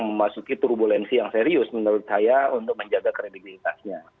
memasuki turbulensi yang serius menurut saya untuk menjaga kredibilitasnya